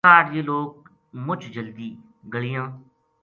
کاہڈ یہ لوک مچ جلدی گلیاں